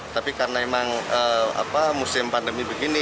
tapi karena emang musim pandemi begini